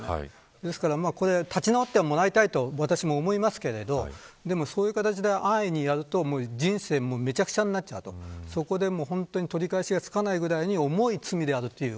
ですから、立ち直ってもらいたいとも思いますがそういう形で安易にやると人生めちゃくちゃになっちゃう取り返しがつかないぐらいに重い罪であるという。